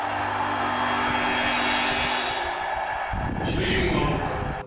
主人はおるか。